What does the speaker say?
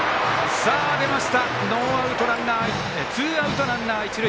出ました、ツーアウトランナー、一塁。